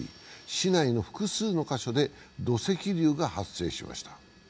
市内の複数の箇所で土石流が発生しました。